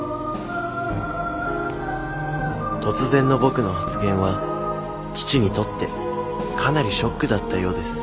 突然の僕の発言は父にとってかなりショックだったようです